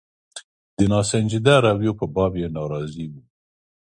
د ناسنجیده رویو په باب یې ناراضي وو.